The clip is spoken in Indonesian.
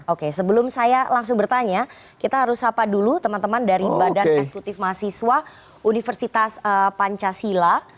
oke sebelum saya langsung bertanya kita harus apa dulu teman teman dari badan eksekutif mahasiswa universitas pancasila